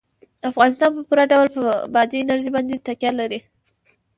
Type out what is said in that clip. افغانستان په پوره ډول په بادي انرژي باندې تکیه لري.